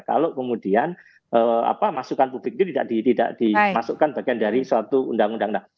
kalau kemudian masukan publik itu tidak dimasukkan bagian dari suatu undang undang